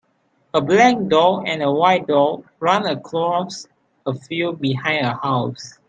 A black dog and a white dog run across a field behind a house.